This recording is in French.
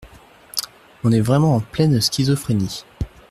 On est vraiment en pleine schizophrénie.